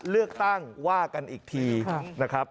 เลือกตั้งว่ากันอีกทีนะครับ